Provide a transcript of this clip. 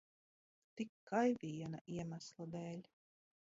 Tikai viena iemesla dēļ.